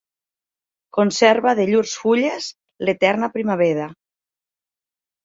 Conserva de llurs fulles l'eterna primavera.